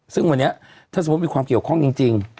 ซึ่งวันนี้ถ้าสมมุติมีความเกี่ยวข้องจริง